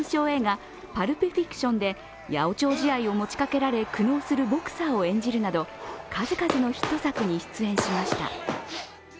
映画「パルプ・フィクション」で八百長試合を持ちかけられ苦悩するボクサーを演じるなど数々のヒット作に出演しました。